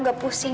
tidak pak fadil